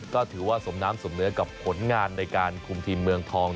ก็ถือว่าสมน้ำสมเนื้อกับผลงานในการคุมทีมเมืองทอง